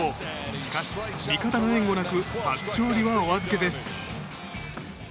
しかし味方の援護なく初勝利はお預けです。